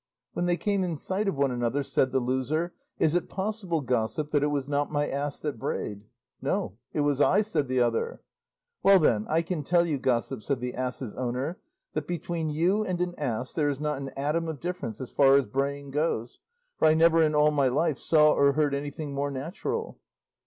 When they came in sight of one another, said the loser, 'Is it possible, gossip, that it was not my ass that brayed?' 'No, it was I,' said the other. 'Well then, I can tell you, gossip,' said the ass's owner, 'that between you and an ass there is not an atom of difference as far as braying goes, for I never in all my life saw or heard anything more natural.